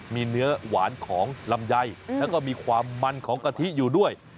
มีเนื้อหวานของลำไยแล้วก็มีความมันของกะทิอยู่ด้วย